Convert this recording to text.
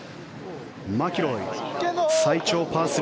マキロイ、最長パー３。